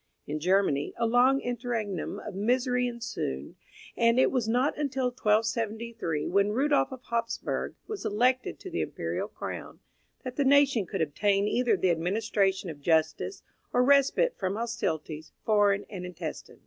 In Germany a long interregnum of misery ensued, and it was not until 1273, when Rudolph of Hapsburgh was elected to the imperial crown, that the nation could obtain either the administration of justice or respite from hostilities, foreign and intestine.